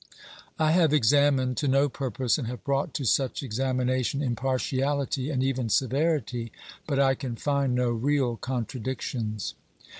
I have examined to no purpose and have brought to such examination impartiality and even severity, but I can find no real contradictions.